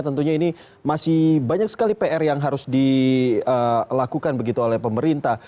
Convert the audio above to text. tentunya ini masih banyak sekali pr yang harus dilakukan begitu oleh pemerintah